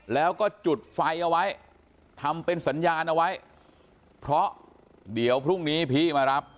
แล้วก็จุดไฟเอาไว้ทำเป็นสัญญาณเอาไว้เพราะเดี๋ยวพรุ่งนี้พี่มารับ